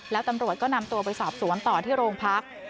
แล้วตำรวจก็นำตัวไปสอบสวนต่อที่โรงพัก